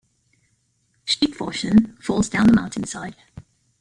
Stigfossen falls down the mountainside.